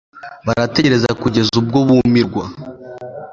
barategereza kugeza ubwo bumirwa